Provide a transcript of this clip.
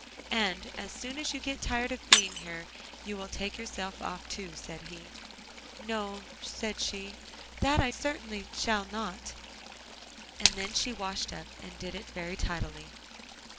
'And as soon as you get tired of being here you will take yourself off too,' said he. 'No,' said she, 'that I shall certainly not.' And then she washed up, and did it very tidily.